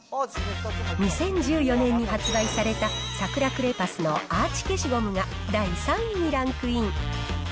２０１４年に発売されたサクラクレパスのアーチ消しゴムが第３位にランクイン。